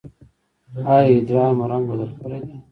ایا ادرار مو رنګ بدل کړی دی؟